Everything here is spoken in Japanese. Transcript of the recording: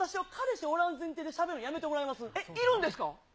いるんですか。